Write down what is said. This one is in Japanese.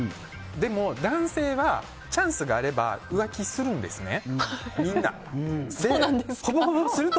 でも、男性はチャンスがあれば浮気するんですね。